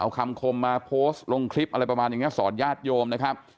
เอาคำคมมาโพสต์ลงคลิปอะไรประมาณอย่างนี้สอนญาติโยมนะครับ